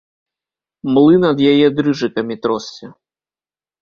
Млын ад яе дрыжыкамі тросся.